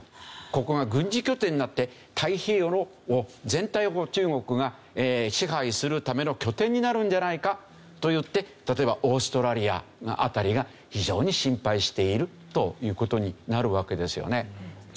ここが軍事拠点になって太平洋の全体を中国が支配するための拠点になるんじゃないかといって例えばオーストラリアの辺りが非常に心配しているという事になるわけですよね。